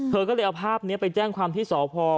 เธอก็เลยเอาภาพนี้ไปแจ้งความที่สพ